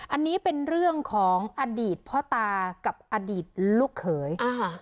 อันนี้เป็นเรื่องของอดีตพ่อตากับอดีตลูกเขยอ่าค่ะ